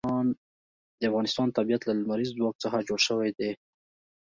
د افغانستان طبیعت له لمریز ځواک څخه جوړ شوی دی.